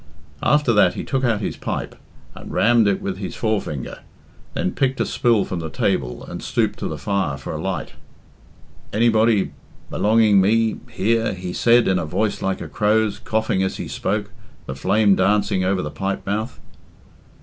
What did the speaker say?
After that he took out his pipe, and rammed it with his forefinger, then picked a spill from the table, and stooped to the fire for a light. "Anybody belonging me here?" he said, in a voice like a crow's, coughing as he spoke, the flame dancing over the pipe mouth.